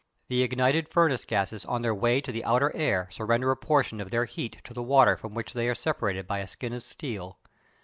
The ignited furnace gases on their way to the outer air surrender a portion of their heat to the water from which they are separated by a skin of steel.